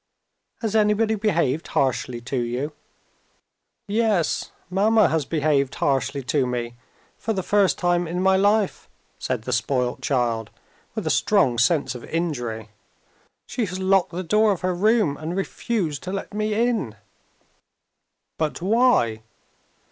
"Has anybody behaved harshly to you?" "Yes, mamma has behaved harshly to me. For the first time in my life," said the spoilt child, with a strong sense of injury, "she has locked the door of her room, and refused to let me in." "But why?"